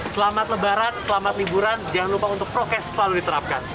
selamat lebaran selamat liburan jangan lupa untuk prokes selalu diterapkan